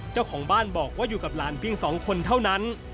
เจ้าของบ้านบอกว่าอยู่กับหลานเพียง๒คนเท่านั้น